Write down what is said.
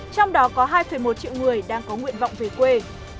trong đó có hai một triệu người đang có nguyện vọng về quê